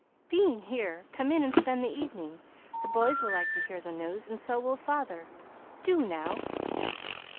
"Being here, come in and spend the evening. The boys will like to hear the news, and so will father. Do, now."